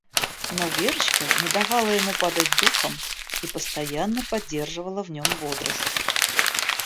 Но Верочка не давала ему падать духом и постоянно поддерживала в нём бодрость...